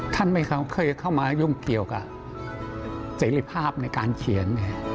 ไม่เคยเข้ามายุ่งเกี่ยวกับเสรีภาพในการเขียน